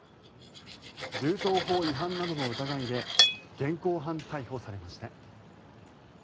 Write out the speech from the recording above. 銃刀法違反などの疑いで現行犯逮捕されました。